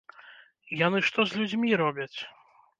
Яны што з людзьмі робяць?